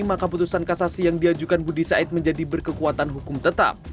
maka putusan kasasi yang diajukan budi said menjadi berkekuatan hukum tetap